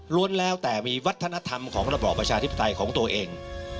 แล้วแต่มีวัฒนธรรมของระบอบประชาธิปไตยของตัวเอง